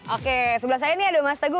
oke sebelah saya ini ada mas teguh